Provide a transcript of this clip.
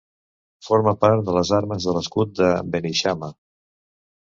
Forma part de les armes de l'escut de Beneixama.